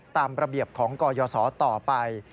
ตามระเบียบของกยศต่อไป